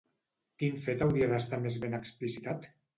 Quin fet hauria d'estar més ben explicitat?